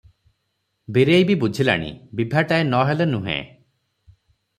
ବୀରେଇବି ବୁଝିଲାଣି, ବିଭାଟାଏ ନ ହେଲେ ନୁହେଁ ।